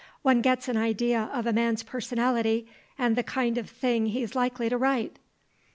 One gets an idea of a man's personality and the kind of thing he's likely to write."